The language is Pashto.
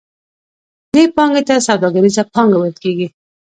دې پانګې ته سوداګریزه پانګه ویل کېږي